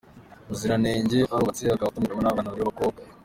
Muziranenge arubatse akaba afite umugabo n’abana babiri b’abakobwa.